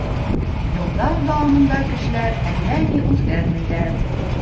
Йылдар дауамында кешеләр әллә ни үҙгәрмәйҙәр.